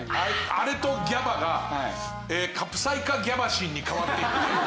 あれとＧＡＢＡがカプサイ化ギャバシンに変わっていくという。